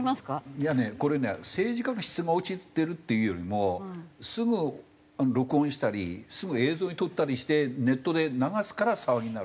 いやねこれね政治家の質が落ちてるっていうよりもすぐ録音したりすぐ映像に撮ったりしてネットで流すから騒ぎになるわけですよね。